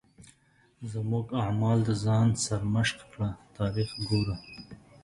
زموږ اعمال د ځان سرمشق کړه تاریخ ګوره.